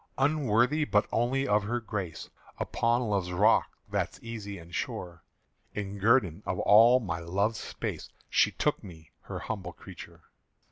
"_Unworthy but only of her grace, Upon Love's rock that's easy and sure, In guerdon of all my love's space She took me her humble creäture.